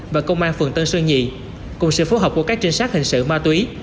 và công an phường tân sơn nhì cùng sự phối hợp của các trinh sát hình sự ma túy